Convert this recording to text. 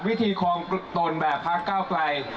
วิธีคลองตนแบบพักก้าวไกล